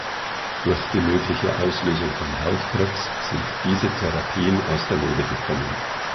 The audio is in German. Durch die mögliche Auslösung von Hautkrebs sind diese Therapien aus der Mode gekommen.